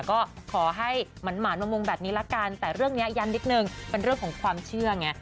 ก็ขอให้หมานมามงแบบนี้ละกันแต่เรื่องนี้ย้ำนิดนึงเป็นเรื่องของความเชื่อไง